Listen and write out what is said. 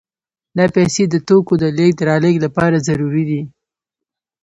دا پیسې د توکو د لېږد رالېږد لپاره ضروري دي